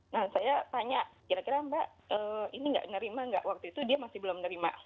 nah saya tanya kira kira mbak ini nggak nerima nggak waktu itu dia masih belum nerima